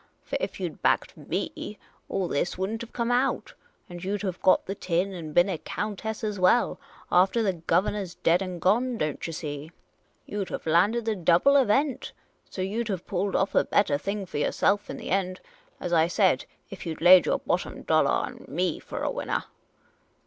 For if you 'd backed me, all this would n't have come out ; you 'd have got the tin and been a countess as well, aftah the governah 's dead and gone, don't yah see. You 'd have landed the double 344 Miss Cayley's Adventures event. So j'oii 'd have pulled off a bettah thing for yourself in the end, as I said, if you 'd laid your bottom doUah on me for winnah